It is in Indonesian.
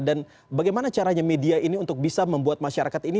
dan bagaimana caranya media ini untuk bisa membuat masyarakat ini